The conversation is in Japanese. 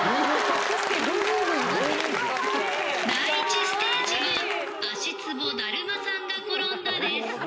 第１ステージは、足つぼだるまさんが転んだです。